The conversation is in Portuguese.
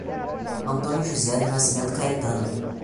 Antônio José do Nascimento Caetano